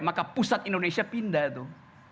maka pusat indonesia pindah tuh